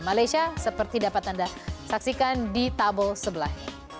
malaysia seperti dapat anda saksikan di tabel sebelah